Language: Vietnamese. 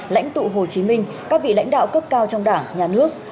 lãnh tụ hồ chí minh các vị lãnh đạo cấp cao trong đảng nhà nước